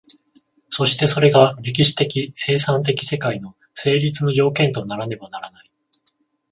そしてそれが歴史的生産的世界の成立の条件とならねばならない。